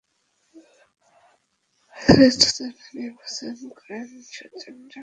বেহুলা চরিত্রের জন্য নির্বাচন করেন সূচন্দাকে।